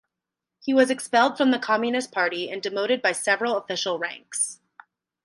He was expelled from the Communist Party and demoted by several official ranks.